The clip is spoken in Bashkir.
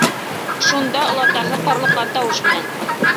Шунда олатаһы ҡарлыҡҡан тауыш менән: